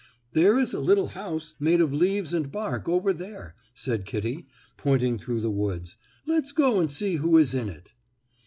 "There is a little house, made of leaves and bark over there," said Kittie, pointing through the woods, "let us go and see who is in it."